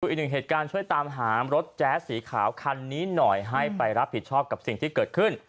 อีกหนึ่งเหตุการณ์ช่วยตามหารถแจ๊สสีขาวคันนี้หน่อยให้ไปรับผิดชอบกับสิ่งที่เกิดขึ้น